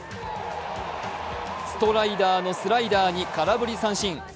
ストライダーのスライダーに空振り三振。